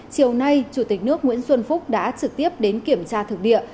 chiều nay chủ tịch nước nguyễn xuân phúc đã trực tiếp đến kiểm tra thực địa